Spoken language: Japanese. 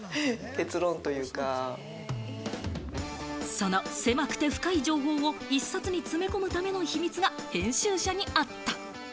その狭くて深い情報を１冊に詰め込むための秘密が編集社にあった。